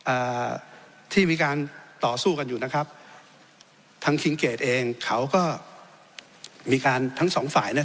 อ่าที่มีการต่อสู้กันอยู่นะครับทั้งคิงเกดเองเขาก็มีการทั้งสองฝ่ายเนี้ย